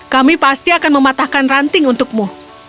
kami pasti akan mematahkan ranting untukmu